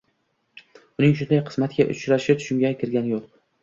Uning shunday qismatga uchrashi tushimga ham kirgani yo‘q.